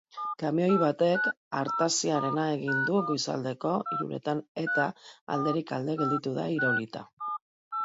Kamioi batek artaziarena egin du goizaldeko hiruretan eta alderik alde gelditu da iraulita.